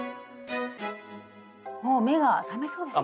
もう目が覚めそうですね！